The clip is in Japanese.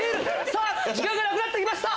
さぁ時間がなくなってきました。